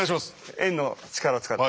円の力を使って。